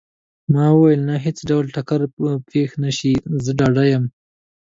ما وویل: نه، هیڅ ډول ټکر به پېښ نه شي، زه ډاډه یم.